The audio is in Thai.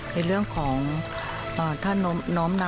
ในเรื่องของท่านน้อมน้ำ